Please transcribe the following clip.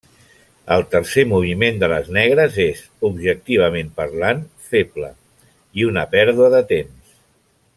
El tercer moviment de les negres és, objectivament parlant, feble, i una pèrdua de temps.